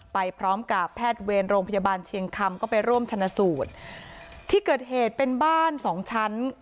ไปพร้อมกับแพทย์เวรโรงพยาบาลเชียงคำก็ไปร่วมชนะสูตรที่เกิดเหตุเป็นบ้านสองชั้น